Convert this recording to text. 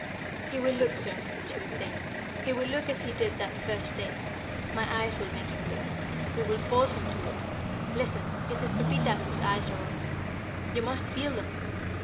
"He will look soon," she was saying. "He will look as he did that first day. My eyes will make him look. They will force him to it. Listen! it is Pepita whose eyes are on you. You must feel them.